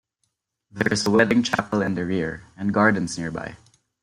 There is a wedding chapel in the rear, and gardens nearby.